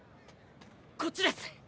こっちです！